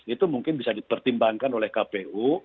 itu mungkin bisa dipertimbangkan oleh kpu